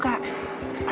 kak kalon juga suka